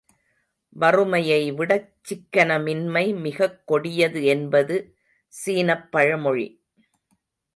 வறுமையைவிடச் சிக்கனமின்மை மிகக் கொடிது என்பது சீனப் பழமொழி!